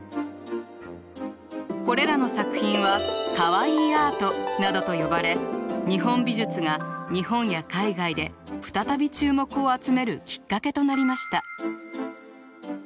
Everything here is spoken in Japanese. これらの作品は「カワイイアート」などと呼ばれ日本美術が日本や海外で再び注目を集めるきっかけとなりました。